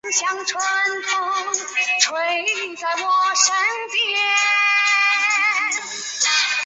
对罹难者家属